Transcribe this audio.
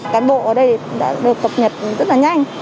cán bộ ở đây đã được cập nhật rất là nhanh